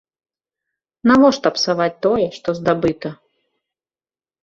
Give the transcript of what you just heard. Навошта псаваць тое, што здабыта?